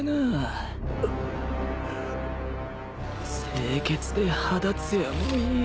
清潔で肌艶もいい。